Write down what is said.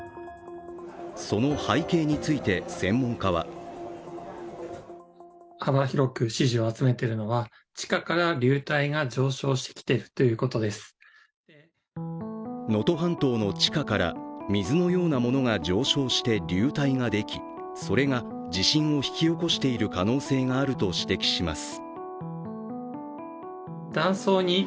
その背景について専門家は能登半島の地下から水のようなものが上昇して流体ができ、それが地震を引き起こしている可能性があると指摘します。